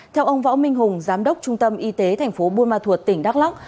theo ông võ minh hùng giám đốc trung tâm y tế tp buôn ma thuột tỉnh đắk lắc